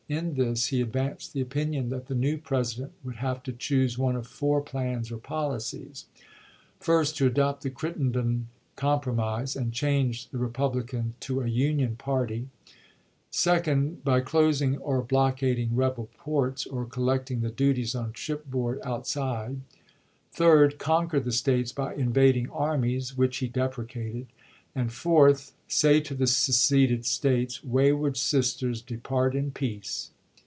In this he advanced the opinion tliat the new President would have to choose one of four plans or policies : 1st. To adopt the Crittenden compromise, and change the Eepublican to a Union party ; 2d. By closing or blockading rebel ports or collecting the duties on shipboard outside; 3d. Conquer the States seward, by invading armies, which he deprecated ; and 4th. u s'cott, ' Say to the seceded States: "Wayward sisters, ™Phft"° depart in peace